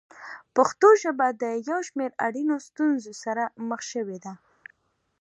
پښتو ژبه د یو شمېر اړینو ستونزو سره مخ شوې ده.